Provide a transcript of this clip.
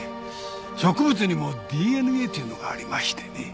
植物にもＤＮＡというのがありましてね。